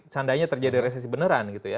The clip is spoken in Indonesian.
seandainya terjadi resesi beneran